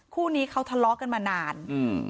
คู่นี้เขาทะเลาะกันมานานอืม